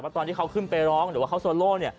ในบรรยากาศว่าตอนเขาห้องเดี๋ยวเขาสโลฟิน